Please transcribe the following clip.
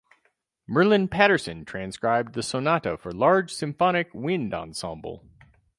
Merlin Patterson transcribed the sonata for large symphonic wind ensemble.